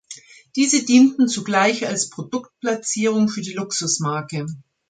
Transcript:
Diese dienten zugleich als Produktplatzierung für die Luxusmarke.